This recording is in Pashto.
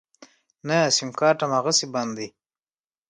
نه سيمکارټ امغسې بند دی.